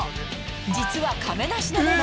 実は亀梨のもの。